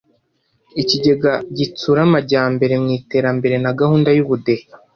ikigega gitsura majyambere mu turere na gahunda y'ubudehe